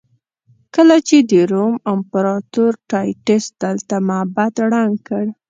کله چې د روم امپراتور ټایټس دلته معبد ړنګ کړ.